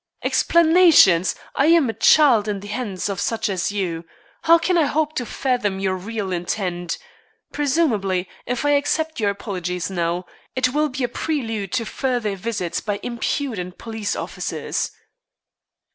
"Explanations! I am a child in the hands of such as you. How can I hope to fathom your real intent? Presumably, if I accept your apologies now, it will be a prelude to further visits by impudent police officers."